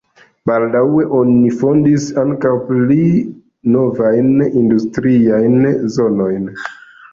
Baldaŭe oni fondis ankaŭ pli novajn industriajn zonojn.